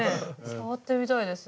触ってみたいです。